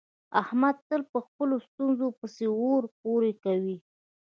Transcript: احمد تل په خپلو ستونزو پسې اور پورې کوي.